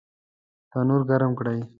تنور ګرم کړئ